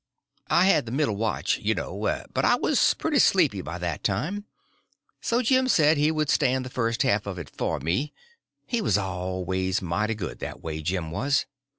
I had the middle watch, you know, but I was pretty sleepy by that time, so Jim he said he would stand the first half of it for me; he was always mighty good that way, Jim was.